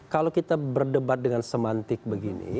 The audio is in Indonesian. kalau kita berdebat dengan semantik begini